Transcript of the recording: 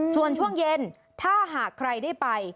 ส่วนช่วงเย็นถ้าหากใครได้ไป